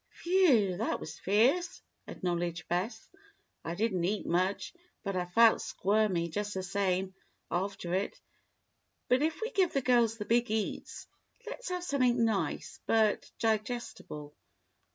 "Whew! that was fierce!" acknowledged Bess. "I didn't eat much; but I felt squirmy, just the same, after it. But if we give the girls the big eats, let's have something nice, but digestible."